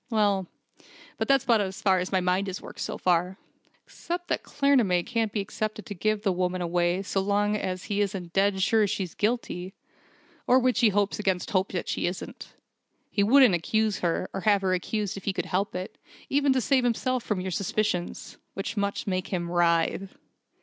Well but that's about as far as my mind has worked, so far. Except that Claremanagh can't be expected to give the woman away so long as he isn't dead sure she's guilty or which he hopes against hope that she isn't. He wouldn't accuse her, or have her accused if he could help it, even to save himself from your suspicions, which must make him writhe!"